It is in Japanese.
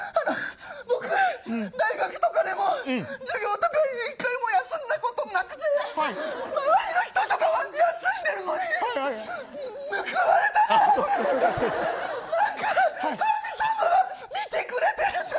僕が大学とかでも授業とか１回も休んだことなくて周りの人とかは休んでいるのに報われたなって。